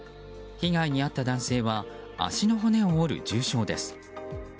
被害に遭った男性は足の骨を折る重傷です。